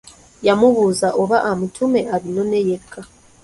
Yamubuuza oba amutume abinone yekka.